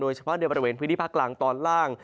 เฉพาะในบริเวณพื้นที่ภาคกลางตอนล่าง